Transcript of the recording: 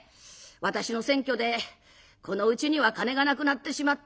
私の選挙でこのうちには金がなくなってしまった。